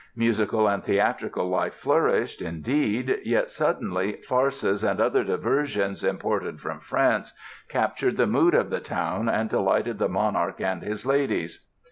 Musical and theatrical life flourished, indeed, yet suddenly farces and other diversions, imported from France, captured the mood of the town and delighted the monarch and his ladies.